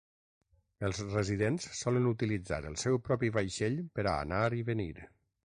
Els residents solen utilitzar el seu propi vaixell per a anar i venir.